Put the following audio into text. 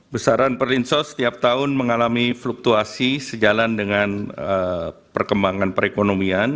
besaran perlinsos setiap tahun mengalami fluktuasi sejalan dengan perkembangan perekonomian